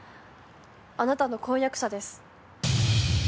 あなたの婚約者です。